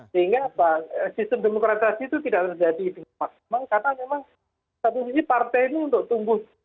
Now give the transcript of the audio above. sehingga sistem demokrasi itu tidak terjadi dengan maksimal karena memang satu sisi partai ini untuk tumbuh